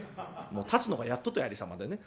もう立つのがやっとというありさまでね。